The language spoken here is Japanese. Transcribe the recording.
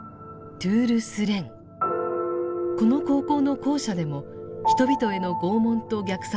この高校の校舎でも人々への拷問と虐殺が行われていました。